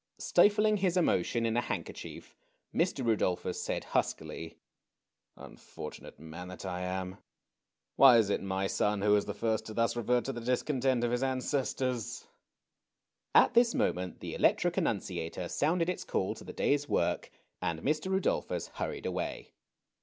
Stifling his emotion in a handkerchief, Mr. Rudolphus said, huskily :" Unfortunate man that I am ! Why is it my son who is the first to thus revert to the discontent of his ancestors !" At this moment the electric annunciator sounded its call to the day's work, and Mr. Rudolphus hurried away.